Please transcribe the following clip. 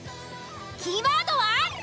キーワードは。